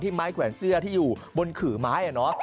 ที่ไม้แขวนเสื้อที่อยู่บนขือไม้น่ะเนอะ